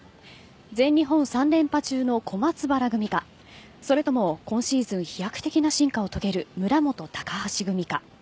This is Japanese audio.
全日本３連覇中の小松原組かそれとも今シーズン飛躍的な進化を遂げる村元・高橋組か。